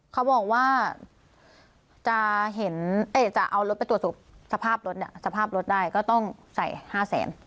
เขาบอกว่าจะเอารถไปตรวจสุดสภาพรถได้ก็ต้องใส่๕แสน